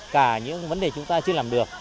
cả những vấn đề chúng ta chưa làm được